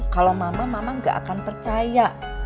kalau mama mama gak akan percaya